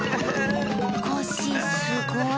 コッシーすごい。